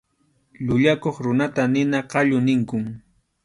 Llullakuq runata nina qallu ninkum.